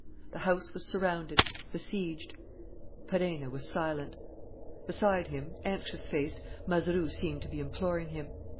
The house was surrounded, besieged. Perenna was silent. Beside him, anxious faced, Mazeroux seemed to be imploring him.